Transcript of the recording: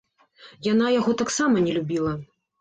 Яна яго таксама не любіла.